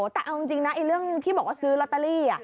แต่เอาจริงนะเรื่องที่บอกว่าซื้อลอตเตอรี่